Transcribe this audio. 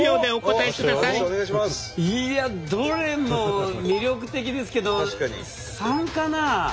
いやどれも魅力的ですけど３かな？